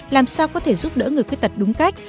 làm sao có thể giúp đỡ người khuyết tật đúng cách